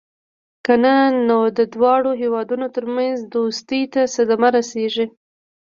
کنه نو د دواړو هېوادونو ترمنځ دوستۍ ته صدمه رسېږي.